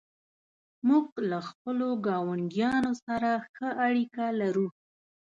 موږ له خپلو ګاونډیانو سره ښه اړیکه لرو.